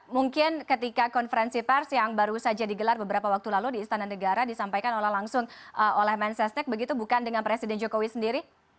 mungkin ketika konferensi pers yang baru saja digelar beberapa waktu lalu di istana negara disampaikan oleh langsung oleh mensesnek begitu bukan dengan presiden jokowi sendiri